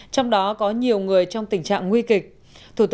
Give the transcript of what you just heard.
trong đó có nhiều người trong tình trạng nguy kịch